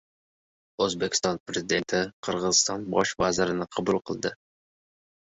O‘zbekiston Prezidenti Qirg‘iziston Bosh vazirini qabul qildi